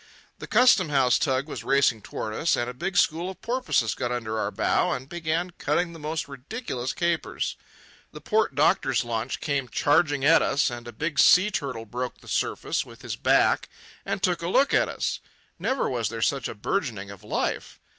The custom house tug was racing toward us and a big school of porpoises got under our bow and began cutting the most ridiculous capers. The port doctor's launch came charging out at us, and a big sea turtle broke the surface with his back and took a look at us. Never was there such a burgeoning of life.